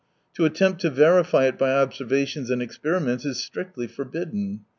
To attempt to verify it by observations and experiments is strictly forbidden.